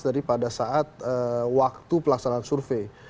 dari pada saat waktu pelaksanaan survei